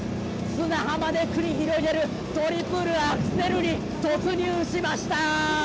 砂浜で繰り広げるトリプルアクセルに突入しました！